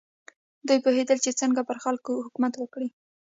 دوی پوهېدل چې څنګه پر خلکو حکومت وکړي.